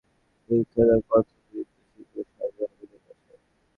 এরপর কত্থক শিখতে শুরু করেন বিখ্যাত কত্থক নৃত্যশিল্পী সাজু আহমেদের কাছে।